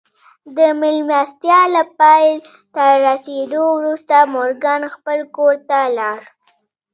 د مېلمستيا له پای ته رسېدو وروسته مورګان خپل کور ته ولاړ.